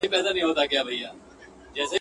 لېوني به څوک پر لار کړي له دانا څخه لار ورکه!